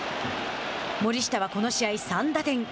森下は、この試合３打点。